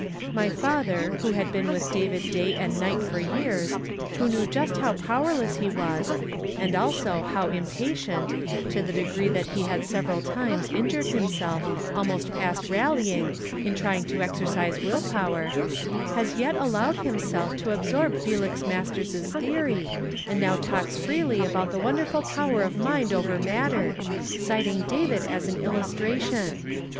My father, who had been with David day and niglit for yeara, who knew just how powerless he was, and also how im patient, to the degree that ho had several times injured himself almost past rallying in trying to exercise will power, 1 as yet allowed himself to absorb Felix Mastei s's theory, and now talks freely about the wonderful ])()uer of mind over matter, citing David as an illustration!